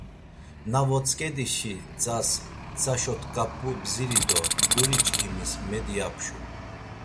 Na votzk̆edişi ntsas, ntsaşot̆k̆ap̆u bdziri do guriçkimis medi yapşu.